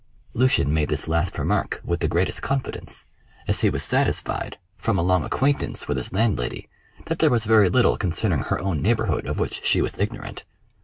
Lucian made this last remark with the greatest confidence, as he was satisfied, from a long acquaintance with his landlady, that there was very little concerning her own neighbourhood of which she was ignorant.